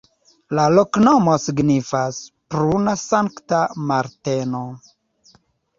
La loknomo signifas: pruna-Sankta-Marteno.